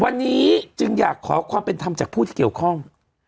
วันนี้จึงอยากขอความเป็นธรรมจากผู้ที่เกี่ยวข้อง